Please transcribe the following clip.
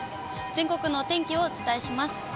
全国のお天気をお伝えします。